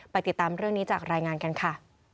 ติดตามเรื่องนี้จากรายงานกันค่ะ